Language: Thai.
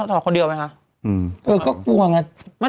ถอดคนเดียวไหมคะเออก็กลัวไง